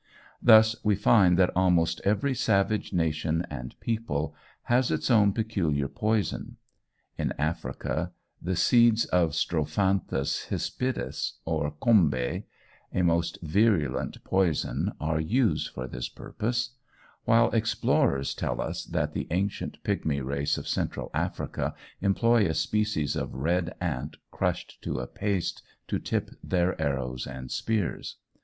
Thus we find that almost every savage nation and people has its own peculiar poison. In Africa the seeds of Strophanthus hispidus, or kombé, a most virulent poison, are used for this purpose; while explorers tell us that the ancient pigmy race of Central Africa employ a species of red ant crushed to a paste, to tip their arrows and spears.